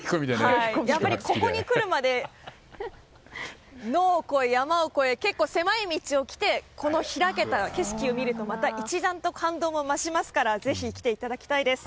ここに来るまで野を越え山を越え結構、狭い道を来てこの開けた景色を見るとまた一段と感動も増しますからぜひ来ていただきたいです。